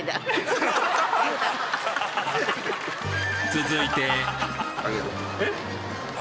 続いてえ？